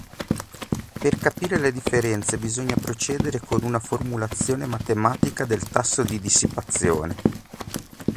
Per capire le differenze bisogna procedere con una formulazione matematica del tasso di dissipazione.